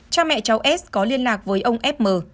cha mẹ cháu s có liên lạc với ông f m